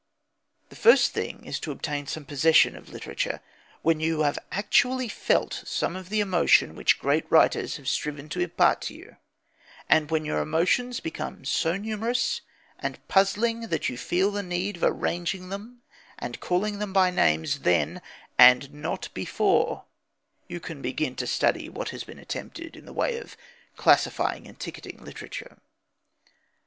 The first thing is to obtain some possession of literature. When you have actually felt some of the emotion which great writers have striven to impart to you, and when your emotions become so numerous and puzzling that you feel the need of arranging them and calling them by names, then and not before you can begin to study what has been attempted in the way of classifying and ticketing literature.